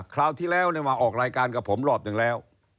คราวที่แล้วมาออกรายการกับผมรอบหนึ่งแล้ว